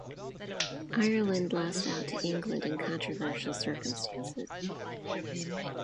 Ireland lost out to England in controversial circumstances.